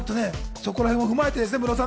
そこらへんも踏まえてムロさん